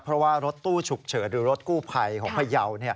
เพราะว่ารถตู้ฉุกเฉินหรือรถกู้ภัยของพยาว